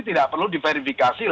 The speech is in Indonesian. tidak perlu diverifikasi